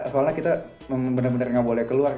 soalnya kita benar benar nggak boleh keluar